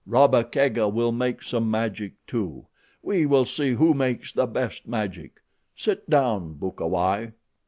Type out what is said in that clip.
Rabba Kega will make some magic, too. We will see who makes the best magic. Sit down, Bukawai."